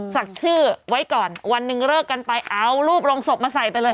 ศักดิ์ชื่อไว้ก่อนวันหนึ่งเลิกกันไปเอารูปโรงศพมาใส่ไปเลย